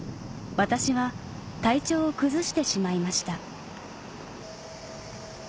私は体調を崩してしまいました